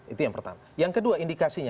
itu yang pertama yang kedua indikasinya